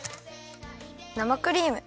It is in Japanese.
生クリーム。